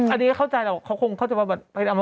อันนี้เข้าใจแล้วเขาคงเขาจะว่าแบบ